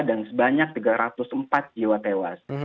dan sebanyak tiga ratus empat jiwa tewas